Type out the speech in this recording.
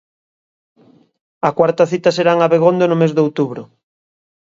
A cuarta cita será en Abegondo no mes de outubro.